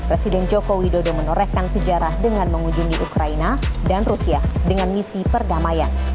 presiden joko widodo menorehkan sejarah dengan mengunjungi ukraina dan rusia dengan misi perdamaian